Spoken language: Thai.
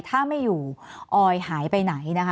ถ้าไม่อยู่ออยหายไปไหนนะคะ